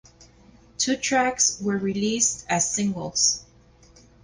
Two tracks were released as singles.